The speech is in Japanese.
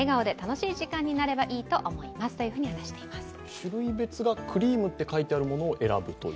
種類別がクリームって書いてあることを選ぶと。